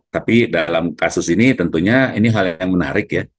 tapi dalam kasus ini tentunya ini hal yang menarik ya